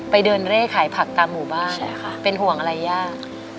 ไปเดินเร่ขายผักตามหมู่บ้านเป็นห่วงอะไรยาก